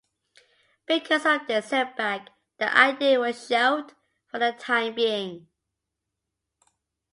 Because of this setback, the idea was shelved for the time being.